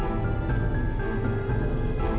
dari kemarin ngikutin terus